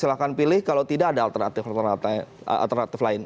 silahkan pilih kalau tidak ada alternatif alternatif lain